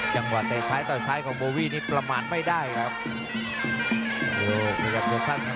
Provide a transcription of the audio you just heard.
จังหวะเตะสายต่อสายของโบวี่นี่ประมาณไม่ได้ครับ